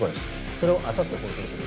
それをあさって放送する。